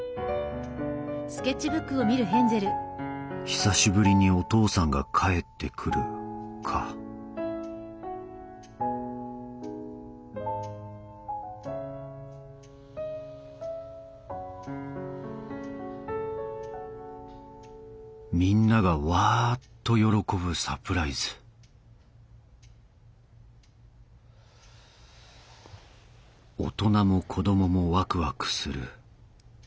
「久しぶりにお父さんが帰ってくる」かみんながわっと喜ぶサプライズ大人も子供もワクワクする。